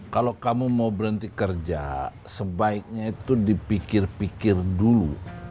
kalau kamu mau berhenti kerja sebaiknya itu dipikir pikir dulu